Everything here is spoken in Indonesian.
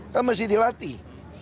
kan mesti dilatih